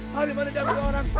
hari mana dia ambil orang